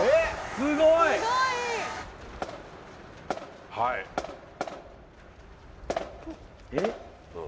すごい！え？